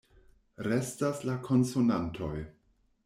Restas la konsonantoj.